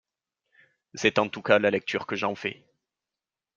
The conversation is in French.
C’est en tout cas la lecture que j’en fais.